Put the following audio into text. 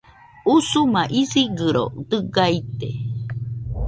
Usuma isigɨro dɨga ite